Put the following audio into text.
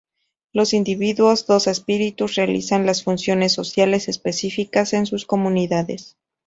Los individuos dos-espíritus realizan las funciones sociales específicas en sus comunidades.